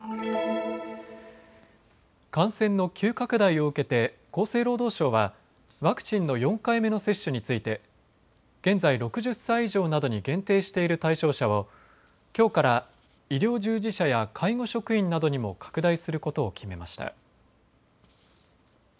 感染の急拡大を受けて厚生労働省はワクチンの４回目の接種について現在、６０歳以上などに限定している対象者を、きょうから医療従事者や介護職員などにも拡大することを決めました。